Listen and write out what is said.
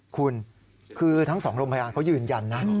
คุณคือทั้ง๒โรงพยาบาลเขายืนยันนะ